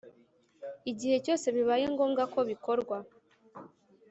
igihe cyose bibaye ngombwa ko bikorwa